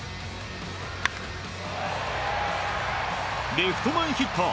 レフト前ヒット。